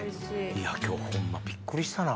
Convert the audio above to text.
今日ホンマびっくりしたな